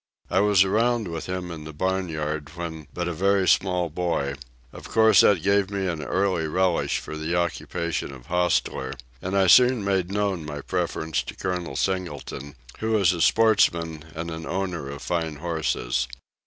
I was around with him in the barn yard when but a very small boy; of course that gave me an early relish for the occupation of hostler, and I soon made known my preference to Col. Singleton, who was a sportsman, and an owner of fine horses.